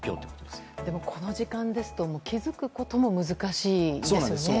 でもこの時間ですと気づくことも難しいですよね。